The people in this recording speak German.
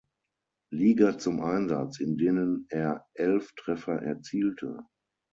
Liga zum Einsatz, in denen er elf Treffer erzielte.